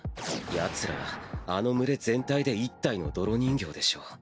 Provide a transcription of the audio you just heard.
ヤツらはあの群れ全体で１体の泥人形でしょう。